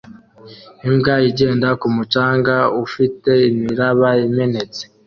Imbwa igenda ku mucanga ufite imiraba imenetse